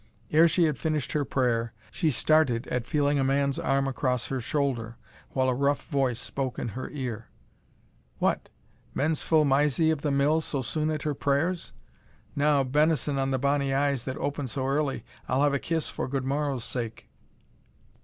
Ere she had finished her prayer, she started at feeling a man's arm across her shoulder, while a rough voice spoke in her ear "What! menseful Mysie of the Mill so soon at her prayers? now, benison on the bonny eyes that open so early! I'll have a kiss for good morrow's sake."